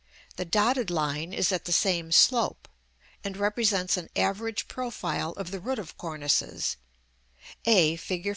the dotted line is at the same slope, and represents an average profile of the root of cornices (a, Fig.